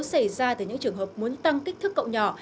xảy ra từ những trường hợp muốn tăng kích thước cậu nhỏ